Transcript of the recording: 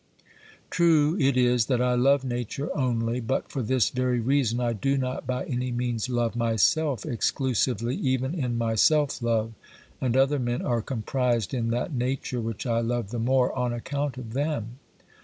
True it is that I love Nature only, but for this very reason I do not by any means love myself exclusively, even in my self love, and other men are comprised in that Nature which I love the more on account of them.